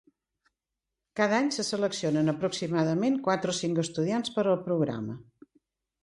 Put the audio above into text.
Cada any se seleccionen aproximadament quatre o cinc estudiants per al programa.